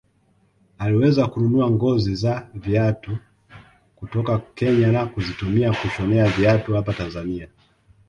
Aliweza kununua ngozi za viatu kutoka Kenya na kuzitumia kushonea viatu hapa Tanzania